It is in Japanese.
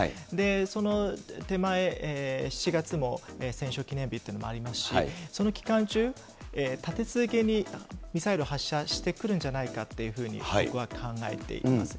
その手前、７月も戦勝記念日っていうのもありますし、その期間中、立て続けにミサイル発射してくるんじゃないかっていうふうに僕は考えています。